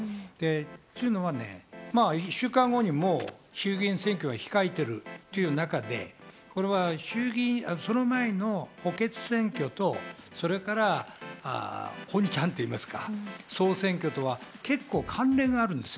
というのは１週間後にもう衆議院選挙を控えているという中でその前の補欠選挙と、それから総選挙とは結構、関連があるんですよ。